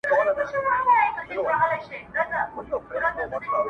بې صبري وي بې ثمره صبر کړه خدای به مي درکړي!!